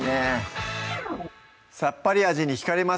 さっぱり味に引かれます